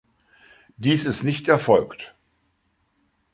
Dies ist nicht erfolgt.